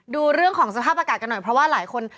ดูเรื่องของสภาพอากาศกันหน่อยเพราะว่าหลายคน